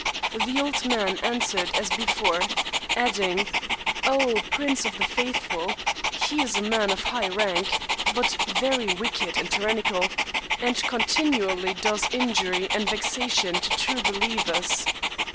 The old man answered as before, adding, " Oh, Prince of the Faithful, he is a man of high rank, but very wicked and tyrannical, and continually does injury and vexation to true believers.